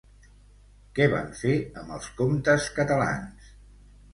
Què van fer amb els comptes catalans?